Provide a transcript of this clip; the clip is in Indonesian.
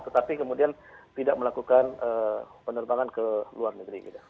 tetapi kemudian tidak melakukan penerbangan ke luar negeri